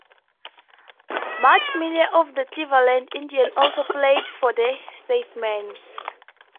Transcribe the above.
Matt Miller of the Cleveland Indians also played for the Statesmen.